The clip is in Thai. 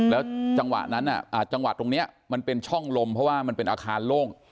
แล้วจังหวะนั้นจังหวะตรงนี้มันเป็นช่องลมเพราะว่ามันเป็นอาคารโล่ง